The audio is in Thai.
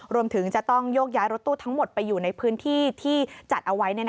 รวมถึงจะต้องโยกย้ายรถตู้ทั้งหมดไปอยู่ในพื้นที่ที่จัดเอาไว้